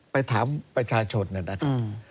ไปถามประชาชนนะครับ